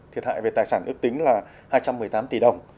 thiệt hại về tài sản ước tính là hai trăm một mươi tám người